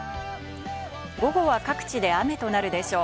午後は各地で雨となるでしょう。